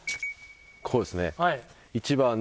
こうですね。